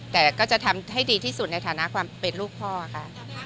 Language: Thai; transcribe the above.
แต่ก็จะทำให้ดีที่สุดในฐานะความเป็นลูกพ่อค่ะ